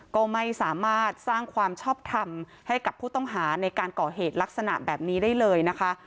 ก็ไม่สามารถสร้างความชอบทำให้กับผู้ต้องหาในการก่อเหตุลักษณะแบบนี้ได้เลยนะคะ